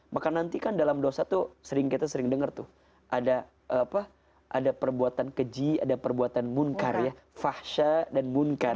maka nanti kan dalam dosa tuh sering kita sering dengar tuh ada perbuatan keji ada perbuatan munkar ya fahsya dan munkar